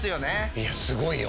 いやすごいよ